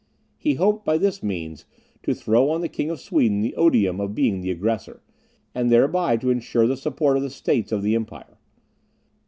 He hoped by this means to throw on the king of Sweden the odium of being the aggressor, and thereby to ensure the support of the States of the empire.